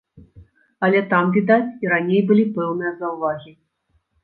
Але там, відаць, і раней былі пэўныя заўвагі.